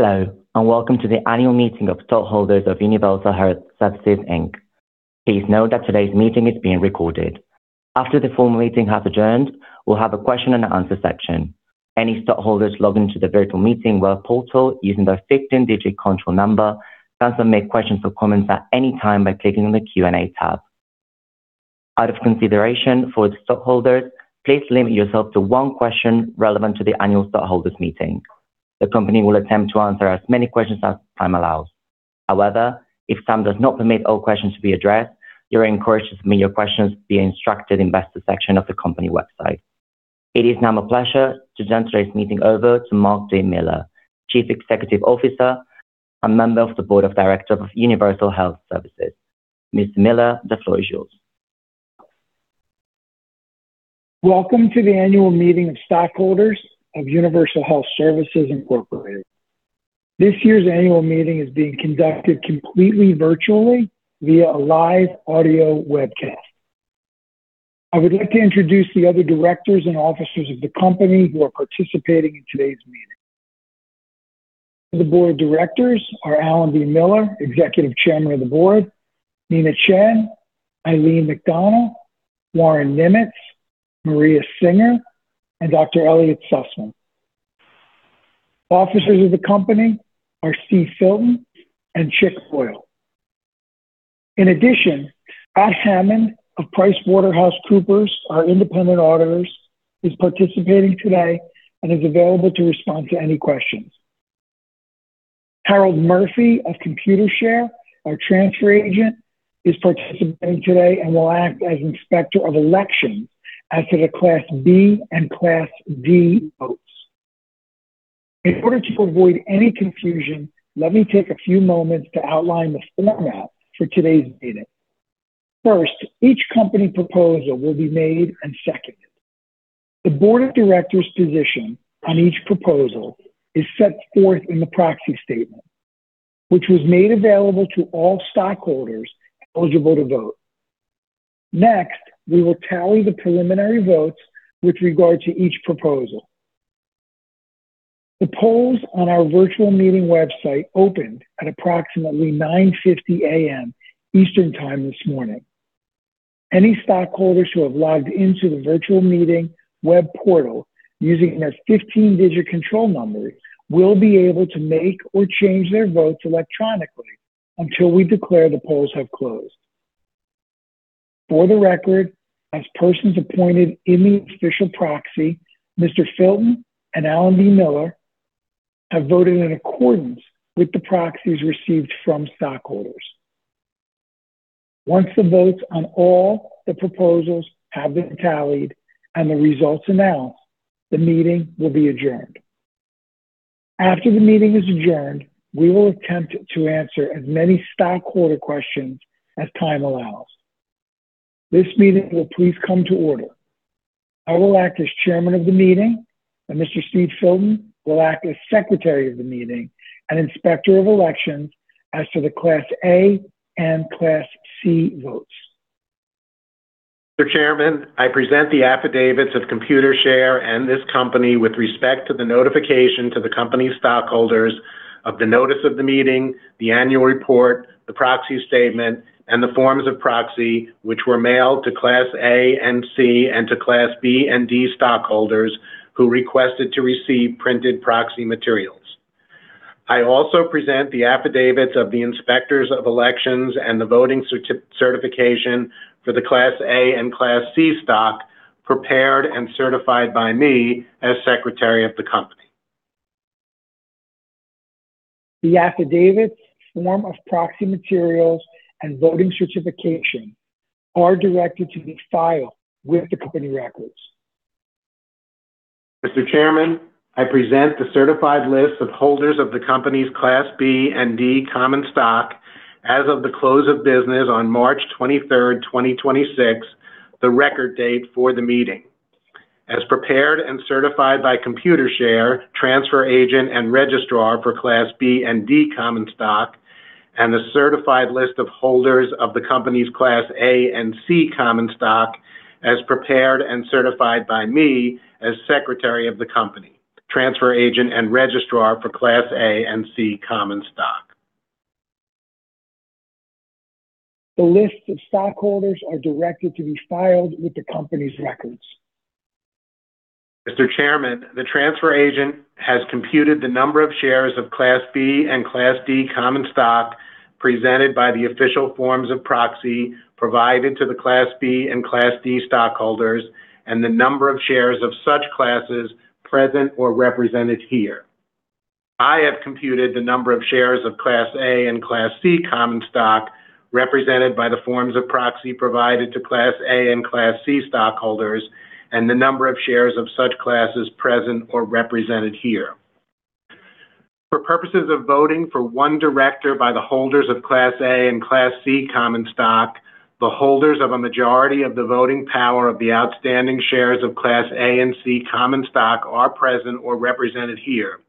Hello, and welcome to the annual meeting of stockholders of Universal Health Services, Inc. Please note that today's meeting is being recorded. After the formal meeting has adjourned, we'll have a question and answer section. Any stockholders logged into the virtual meeting web portal using their 15-digit control number can submit questions or comments at any time by clicking on the Q&A tab. Out of consideration for the stockholders, please limit yourself to one question relevant to the annual stockholders meeting. The company will attempt to answer as many questions as time allows. However, if time does not permit all questions to be addressed, you're encouraged to submit your questions via the Investor section of the company website. It is now my pleasure to turn today's meeting over to Marc D. Miller, Chief Executive Officer and member of the Board of Directors of Universal Health Services. Mr. Miller, the floor is yours. Welcome to the annual meeting of stockholders of Universal Health Services Incorporated. This year's annual meeting is being conducted completely virtually via live audio webcast. I would like to introduce the other directors and officers of the company who are participating in today's meeting. The board of directors are Alan B. Miller, Executive Chairman of the Board, Nina Chen, Eileen McDonnell, Warren Nimetz, Maria Singer, and Dr. Elliot Sussman. Officers of the company are Steve Filton and Chick Boyle. In addition, Ash Hammond of PricewaterhouseCoopers, our independent auditors, is participating today and is available to respond to any questions. Harold Murphy of Computershare, our transfer agent, is participating today and will act as Inspector of Election as to the Class B and Class D votes. In order to avoid any confusion, let me take a few moments to outline the format for today's meeting. First, each company proposal will be made and seconded. The Board of Directors' position on each proposal is set forth in the proxy statement, which was made available to all stockholders eligible to vote. Next, we will tally the preliminary votes with regard to each proposal. The polls on our virtual meeting website opened at approximately 9:50 A.M. Eastern Time this morning. Any stockholders who have logged into the virtual meeting web portal using their 15-digit control numbers will be able to make or change their votes electronically until we declare the polls have closed. For the record, as persons appointed in the official proxy, Mr. Filton and Alan B. Miller have voted in accordance with the proxies received from stockholders. Once the votes on all the proposals have been tallied and the results announced, the meeting will be adjourned. After the meeting is adjourned, we will attempt to answer as many stockholder questions as time allows. This meeting will please come to order. I will act as chairman of the meeting, and Mr. Steve Filton will act as secretary of the meeting and Inspector of Elections as to the Class A and Class C votes. Mr. Chairman, I present the affidavits of Computershare and this company with respect to the notification to the company stockholders of the notice of the meeting, the annual report, the proxy statement, and the forms of proxy, which were mailed to Class A and C and to Class B and D stockholders who requested to receive printed proxy materials. I also present the affidavits of the Inspectors of Elections and the voting certification for the Class A and Class C stock prepared and certified by me as Secretary of the company. The affidavits, form of proxy materials, and voting certification are directed to be filed with the company records. Mr. Chairman, I present the certified list of holders of the company's Class B and D Common Stock as of the close of business on March 23rd, 2026, the record date for the meeting, as prepared and certified by Computershare, transfer agent and registrar for Class B and D Common Stock, and the certified list of holders of the company's Class A and C Common Stock as prepared and certified by me as Secretary of the company, transfer agent and registrar for Class A and C Common Stock. The lists of stockholders are directed to be filed with the company's records. Mr. Chairman, the transfer agent has computed the number of shares of Class B and Class D Common Stock presented by the official forms of proxy provided to the Class B and Class D stockholders and the number of shares of such classes present or represented here. I have computed the number of shares of Class A and Class C Common Stock represented by the forms of proxy provided to Class A and Class C stockholders and the number of shares of such classes present or represented here. For purposes of voting for one director by the holders of Class A and Class C Common Stock, the holders of a majority of the voting power of the outstanding shares of Class A and C Common Stock are present or represented here.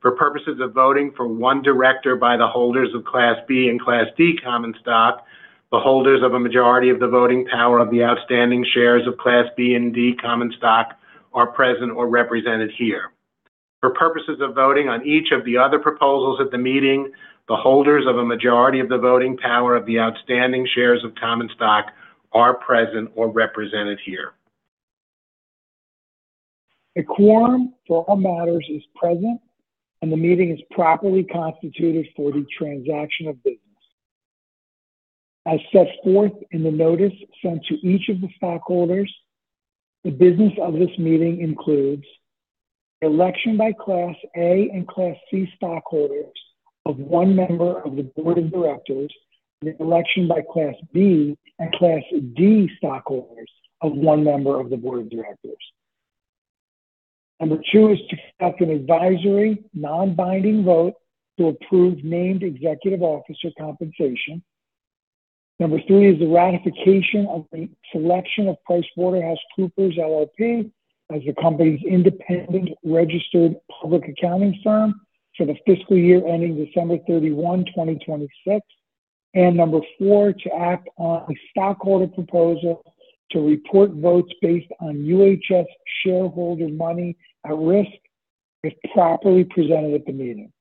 For purposes of voting for one director by the holders of Class B and Class D Common Stock. The holders of a majority of the voting power of the outstanding shares of Class B and D common stock are present or represented here. For purposes of voting on each of the other proposals at the meeting, the holders of a majority of the voting power of the outstanding shares of common stock are present or represented here. A quorum for all matters is present, and the meeting is properly constituted for the transaction of business. As set forth in the notice sent to each of the stockholders, the business of this meeting includes election by Class A and Class C stockholders of one member of the board of directors, and election by Class B and Class D stockholders of 1 member of the board of directors. Number two is to conduct an advisory non-binding vote to approve named executive officer compensation. Number three is the ratification of the selection of PricewaterhouseCoopers LLP as the company's independent registered public accounting firm for the fiscal year ending December 31, 2026. Number four, to act on a stockholder proposal to report votes based on UHS shareholder money at risk if properly presented at the meeting.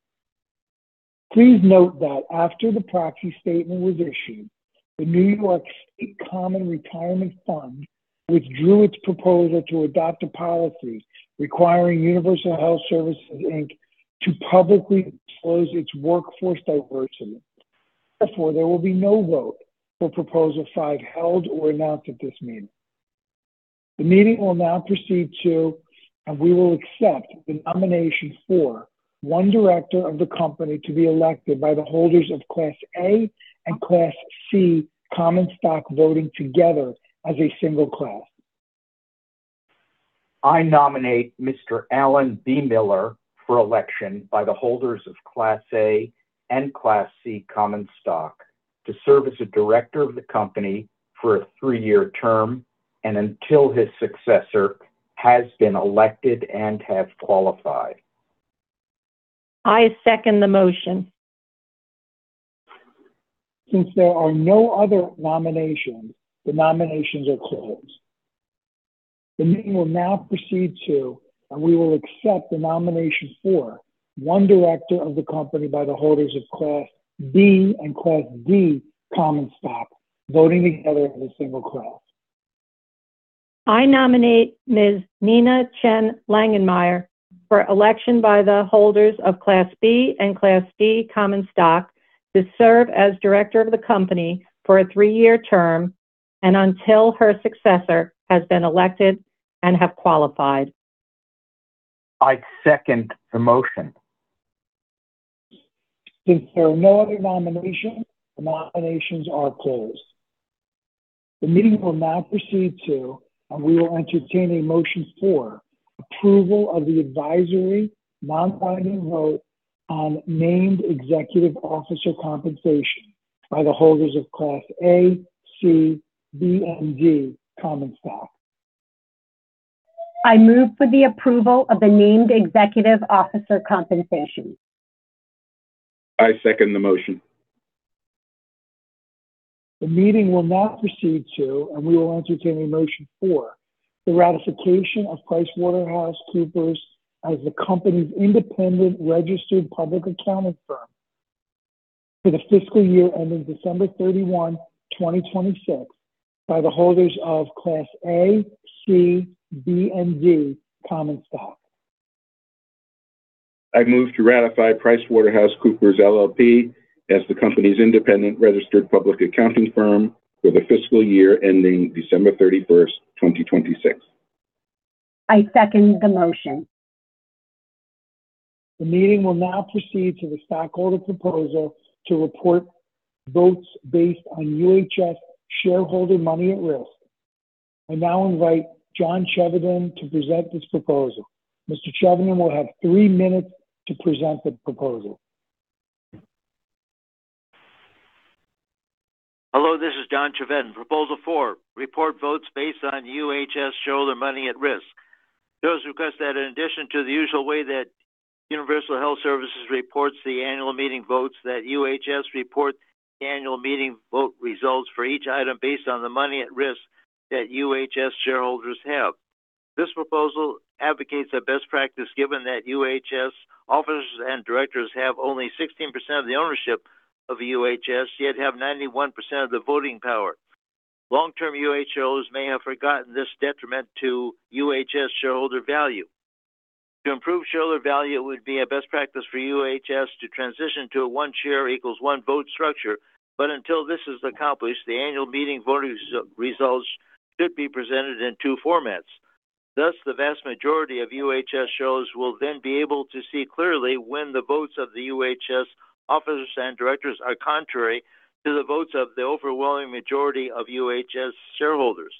Please note that after the proxy statement was issued, the New York State Common Retirement Fund withdrew its proposal to adopt a policy requiring Universal Health Services, Inc. to publicly disclose its workforce diversity. There will be no vote for Proposal 5 held or announced at this meeting. The meeting will now proceed to, and we will accept the nomination for one director of the company to be elected by the holders of Class A and Class C common stock voting together as a single class. I nominate Mr. Alan B. Miller for election by the holders of Class A and Class C Common Stock to serve as a director of the company for a three-year term and until his successor has been elected and has qualified. I second the motion. Since there are no other nominations, the nominations are closed. The meeting will now proceed to, and we will accept the nomination for one director of the company by the holders of Class B Common Stock and Class D Common Stock voting together as a single class. I nominate Ms. Nina Chen Langemeier for election by the holders of Class B and Class D Common Stock to serve as director of the company for a three-year term and until her successor has been elected and have qualified. I second the motion. Since there are no other nominations, the nominations are closed. The meeting will now proceed to, and we will entertain a motion for approval of the advisory non-binding vote on named executive officer compensation by the holders of Class A, C, B, and D Common Stock. I move for the approval of the named executive officer compensation. I second the motion. The meeting will now proceed to, and we will entertain a motion for the ratification of PricewaterhouseCoopers as the company's independent registered public accounting firm for the fiscal year ending December 31, 2026 by the holders of Class A, C, B, and D common stock. I move to ratify PricewaterhouseCoopers LLP as the company's independent registered public accounting firm for the fiscal year ending December 31st, 2026. I second the motion. The meeting will now proceed to the stockholder proposal to report votes based on UHS shareholder money at risk. I now invite John Chevedden to present his proposal. Mr. Chevedden will have three minutes to present the proposal. Hello, this is John Chevedden. Proposal 4, report votes based on UHS shareholder money at risk. It is requested that in addition to the usual way that Universal Health Services reports the annual meeting votes, that UHS report the annual meeting vote results for each item based on the money at risk that UHS shareholders have. This proposal advocates a best practice given that UHS officers and directors have only 16% of the ownership of UHS, yet have 91% of the voting power. Long-term UHS may have forgotten this detriment to UHS shareholder value. To improve shareholder value, it would be a best practice for UHS to transition to a one share equals one vote structure. Until this is accomplished, the annual meeting voting results should be presented in two formats. The vast majority of UHS shareholders will then be able to see clearly when the votes of the UHS officers and directors are contrary to the votes of the overwhelming majority of UHS shareholders.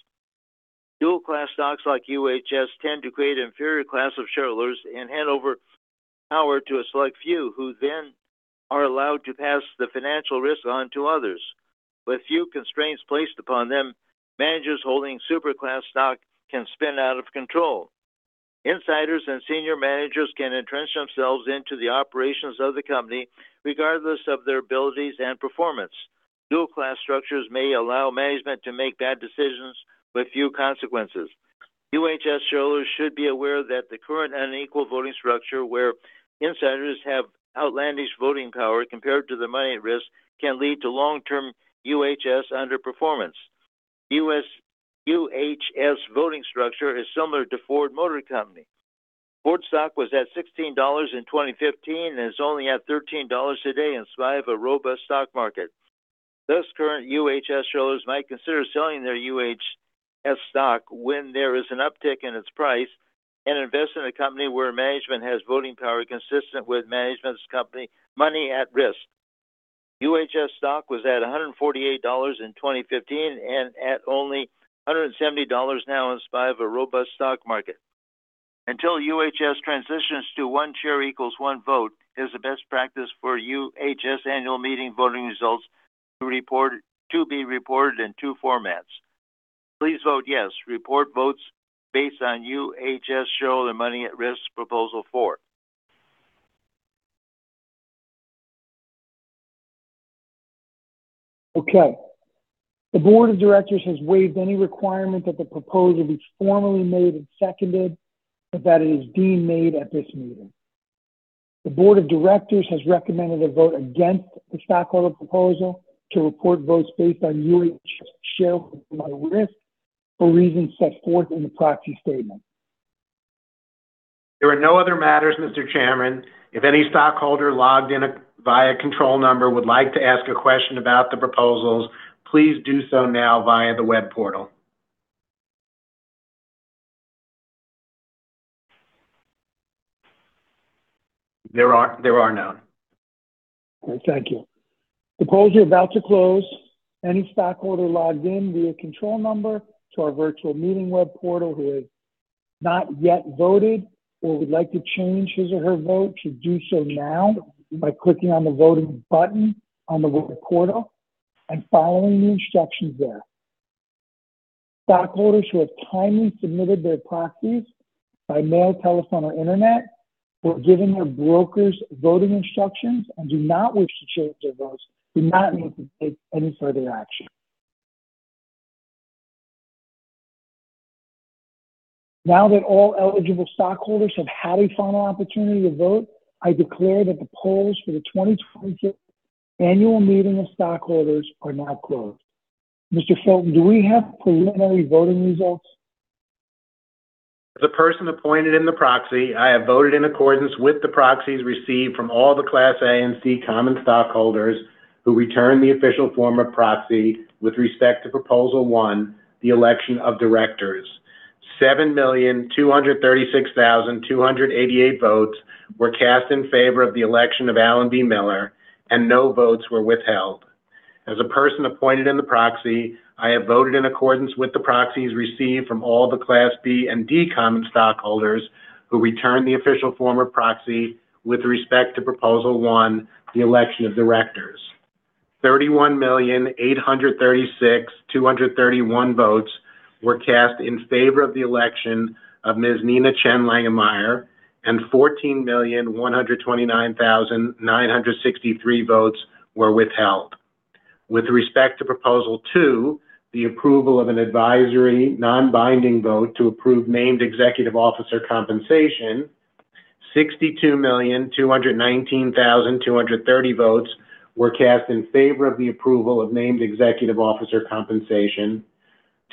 Dual-class stocks like UHS tend to create an inferior class of shareholders and hand over power to a select few, who then are allowed to pass the financial risk on to others. With few constraints placed upon them, managers holding super-voting stock can spin out of control. Insiders and senior managers can entrench themselves into the operations of the company regardless of their abilities and performance. Dual-class structures may allow management to make bad decisions with few consequences. UHS shareholders should be aware that the current unequal voting structure, where insiders have outlandish voting power compared to the money at risk, can lead to long-term UHS underperformance. UHS voting structure is similar to Ford Motor Company. Ford stock was at $16 in 2015 and is only at $13 today in spite of a robust stock market. Thus, current UHS shareholders might consider selling their UHS stock when there is an uptick in its price and invest in a company where management has voting power consistent with management's company money at risk. UHS stock was at $148 in 2015 and at only $170 now in spite of a robust stock market. Until UHS transitions to one share equals one vote, it is a best practice for UHS annual meeting voting results to be reported in two formats. Please vote yes. Report votes based on UHS shareholder money at risk Proposal 4. Okay. The board of directors has waived any requirement that the proposal be formally made and seconded, but that it is deemed made at this meeting. The board of directors has recommended a vote against the stockholder proposal to report votes based on UHS shareholder money at risk for reasons set forth in the proxy statement. There are no other matters, Mr. Chairman. If any stockholder logged in via control number would like to ask a question about the proposals, please do so now via the web portal. There are none. Okay, thank you. The polls are about to close. Any stockholder logged in via control number to our virtual meeting web portal who has not yet voted or would like to change his or her vote should do so now by clicking on the voting button on the web portal and following the instructions there. Stockholders who have timely submitted their proxies by mail, telephone, or internet, or given their brokers voting instructions and do not wish to change their votes, do not need to take any further action. Now that all eligible stockholders have had a final opportunity to vote, I declare that the polls for the 2026 annual meeting of stockholders are now closed. Mr. Filton, do we have preliminary voting results? As a person appointed in the proxy, I have voted in accordance with the proxies received from all the Class A and C Common Stockholders who returned the official form of proxy with respect to Proposal 1, the election of directors. 7,236,288 votes were cast in favor of the election of Alan B. Miller, and no votes were withheld. As a person appointed in the proxy, I have voted in accordance with the proxies received from all the Class B and D Common Stockholders who returned the official form of proxy with respect to Proposal 1, the election of directors. 31,836,231 votes were cast in favor of the election of Ms. Nina Chen Langemeier, and 14,129,963 votes were withheld. With respect to Proposal 2, the approval of an advisory non-binding vote to approve named executive officer compensation, 62,219,230 votes were cast in favor of the approval of named executive officer compensation.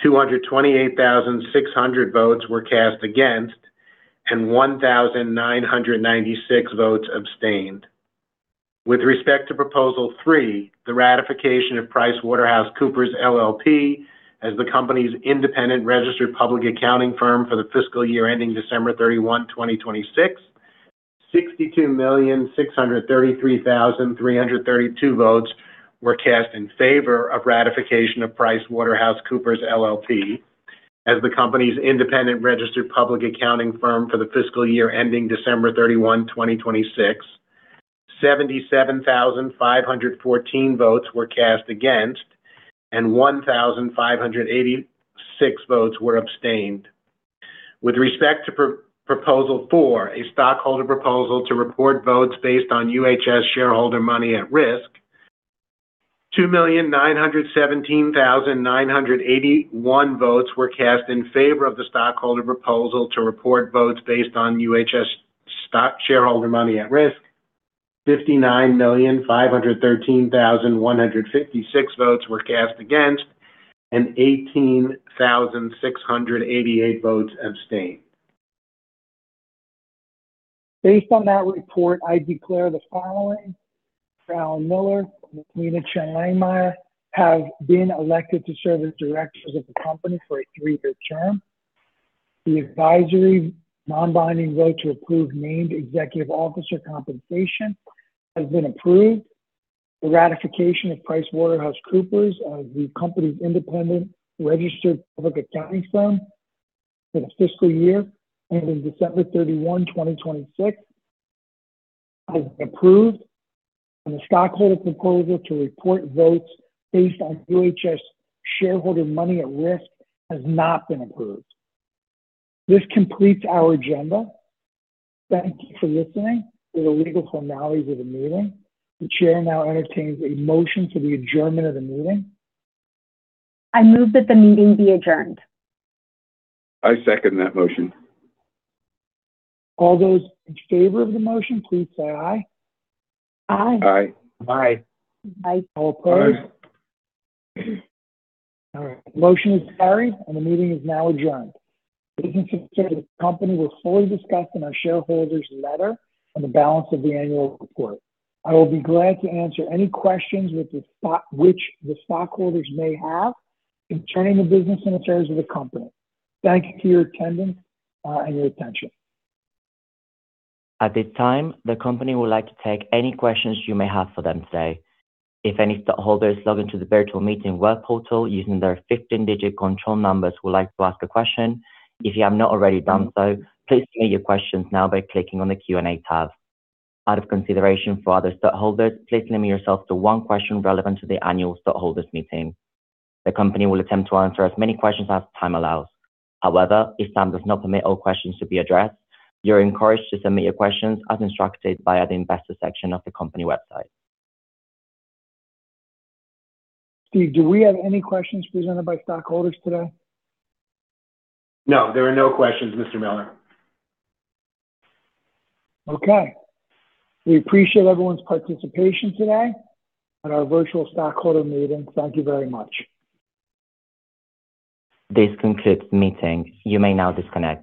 228,600 votes were cast against, and 1,996 votes abstained. With respect to Proposal 3, the ratification of PricewaterhouseCoopers LLP as the company's independent registered public accounting firm for the fiscal year ending December 31, 2026, 62,633,332 votes were cast in favor of ratification of PricewaterhouseCoopers LLP as the company's independent registered public accounting firm for the fiscal year ending December 31, 2026. 77,514 votes were cast against, and 1,586 votes were abstained. With respect to Proposal 4, a stockholder proposal to report votes based on UHS shareholder money at risk, 2,917,981 votes were cast in favor of the stockholder proposal to report votes based on UHS shareholder money at risk. 59,513,156 votes were cast against, and 18,688 votes abstained. Based on that report, I declare the following, for Alan B. Miller and Nina Chen Langemeier have been elected to serve as directors of the company for a three-year term. The advisory non-binding vote to approve named executive officer compensation has been approved. The ratification of PricewaterhouseCoopers as the company's independent registered public accounting firm for the fiscal year ending December 31, 2026 has been approved, and the stockholder's proposal to report votes based on UHS shareholder money at risk has not been approved. This completes our agenda. Thank you for listening. For the legal formalities of the meeting, the chair now entertains a motion for the adjournment of the meeting. I move that the meeting be adjourned. I second that motion. All those in favor of the motion, please say aye. Aye. Aye. Aye. Aye. All opposed? All right. The motion is carried, and the meeting is now adjourned. Taking into consideration the company was fully discussed in our shareholders letter and the balance of the annual report. I will be glad to answer any questions which the stockholders may have concerning the business and affairs of the company. Thank you for your attendance and your attention. At this time, the company would like to take any questions you may have for them today. If any stockholders logged into the virtual meeting web portal using their 15-digit control numbers would like to ask a question, if you have not already done so, please submit your questions now by clicking on the Q&A tab. Out of consideration for other stockholders, please limit yourself to one question relevant to the annual stockholders meeting. The company will attempt to answer as many questions as time allows. However, if time does not permit all questions to be addressed, you're encouraged to submit your questions as instructed via the investor section of the company website. Steve, do we have any questions presented by stockholders today? No, there are no questions, Mr. Miller. Okay. We appreciate everyone's participation today at our virtual stockholder meeting. Thank you very much. This concludes the meeting. You may now disconnect.